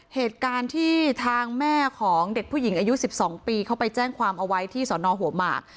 เหตุการณ์ที่ทางแม่ของเด็กผู้หญิงอายุ๑๒ปีเขาไปแจ้งความเอาไว้ที่สอนอหัวหมาก